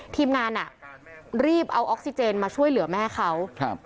ทีมงานอ่ะรีบเอาออกซิเจนมาช่วยเหลือแม่เขาครับ